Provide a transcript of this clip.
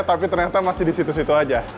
tapi ternyata masih di situ situ aja